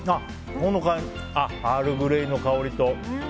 ほのかにアールグレイの香りと。